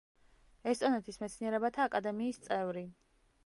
ესტონეთის მეცნიერებათა აკადემიის წევრი.